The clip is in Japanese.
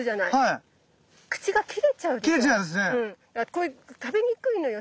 だからこれ食べにくいのよ